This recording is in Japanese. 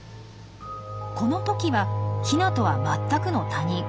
このトキはヒナとは全くの他人。